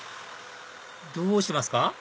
どうしますか？